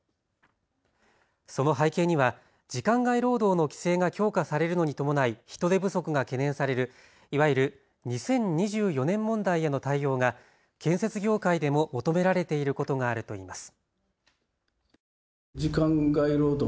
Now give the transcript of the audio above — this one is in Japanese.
その背景には時間外労働の規制が強化されるのに伴い人手不足が懸念されるいわゆる２０２４年問題への対応が建設業界でも求められていることがあるといいます。